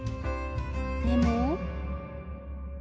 でも。